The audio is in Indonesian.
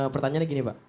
pertanyaannya gini pak